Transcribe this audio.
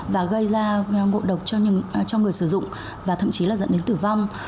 và gây ra ngộ độc cho người sử dụng và thậm chí là dẫn đến tử vong